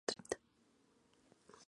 Takada Dojo